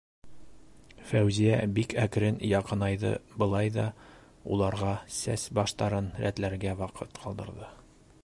Фәүзиә бик әкрен яҡынайҙы былай ҙа, уларға сәс-баштарын рәтләргә ваҡыт ҡалдырҙы.